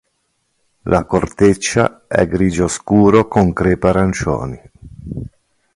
La corteccia è grigio scuro con crepe arancioni.